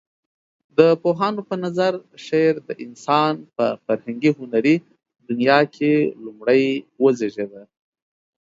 د پوهانو په نظر شعر د انسان په فرهنګي هنري دنيا کې لومړى وزيږيده.